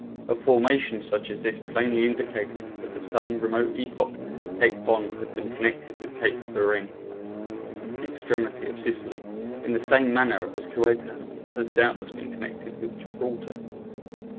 A formation such as this plainly indicated that at some remote epoch Cape Bon had been connected with Cape Furina, the extremity of Sicily, in the same manner as Ceuta has doubtless been connected with Gibraltar.